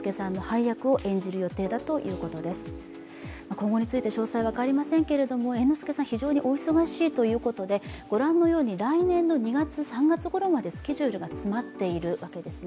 今後について詳細、分かりませんけれども猿之助さん、非常にお忙しいということでご覧のように来年の２月、３月ごろまでスケジュールが詰まっているわけです。